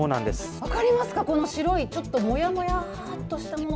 分かりますか、この白いちょっともやもやっとしたもの。